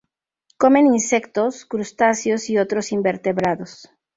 Comen insectos, crustáceos y otros invertebrados.